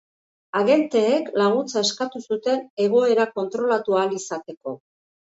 Agenteek laguntza eskatu zuten egoera kontrolatu ahal izateko.